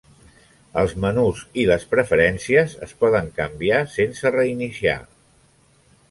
Els menús i les preferències es poden canviar sense reiniciar.